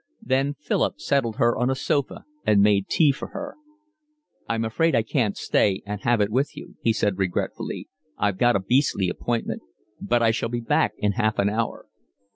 Then Philip settled her on a sofa and made tea for her. "I'm afraid I can't stay and have it with you," he said regretfully. "I've got a beastly appointment. But I shall be back in half an hour."